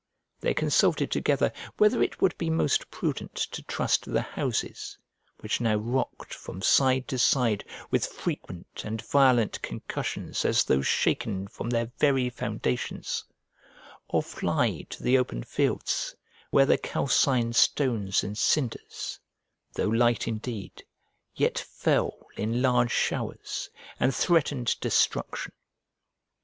They consulted together whether it would be most prudent to trust to the houses, which now rocked from side to side with frequent and violent concussions as though shaken from their very foundations; or fly to the open fields, where the calcined stones and cinders, though light indeed, yet fell in large showers, and threatened destruction.